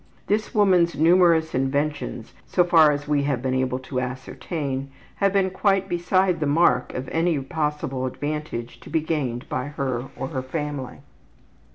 This woman's numerous inventions, so far as we have been able to ascertain, have been quite beside the mark of any possible advantage to be gained by her or her family.